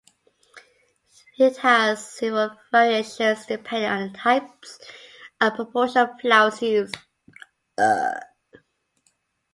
It has several variations, depending on the types and proportion of flours used.